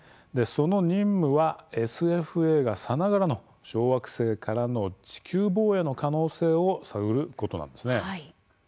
その任務はＳＦ映画さながらの小惑星からの地球防衛の可能性を探ることなんです。